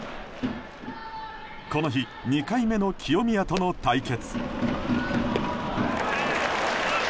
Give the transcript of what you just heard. この日２回目の清宮との対決。